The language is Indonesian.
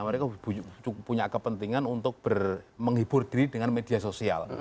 mereka punya kepentingan untuk menghibur diri dengan media sosial